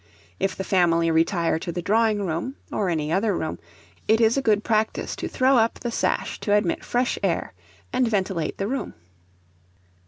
If the family retire to the drawing room, or any other room, it is a good practice to throw up the sash to admit fresh air and ventilate the room.